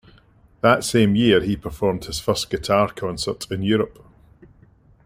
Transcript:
That same year he performed his first guitar concert in Europe.